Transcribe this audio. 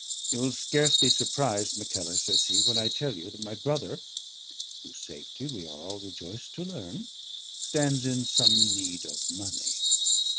"You will scarce be surprised, Mackellar," says he, "when I tell you that my brother whose safety we are all rejoiced to learn stands in some need of money."